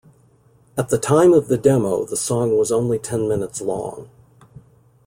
At the time of the demo, the song was only ten minutes long.